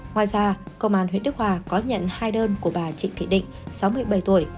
ngoài ra công an huyện đức hòa có nhận hai đơn của bà trịnh thị định sáu mươi bảy tuổi